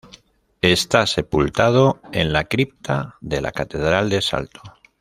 Está sepultado en la cripta de la Catedral de Salto.